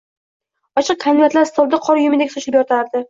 Ochiq konvertlar stolda qor uyumidek sochilib yotardi